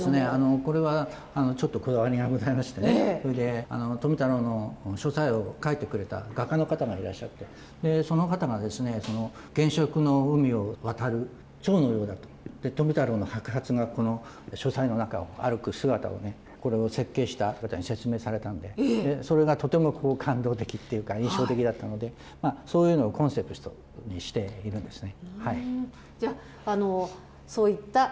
これはちょっとこだわりがございましてね、富太郎の書斎を描いてくれた画家の方がいらっしゃって、その方が原色の海を渡るチョウのようだといって、富太郎の白髪が書斎の中を歩く姿をね、これを設計したと説明されたので、それがとても感動的っていうか、印象的だったので、そういうのをコンセプトにしているんですね。